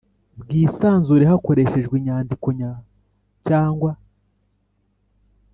bwisanzure hakoreshejwe inyandiko cyangwa